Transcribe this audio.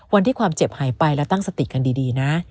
วันที่ความเจ็บหายไปแล้วตั้งสติกันดีนะ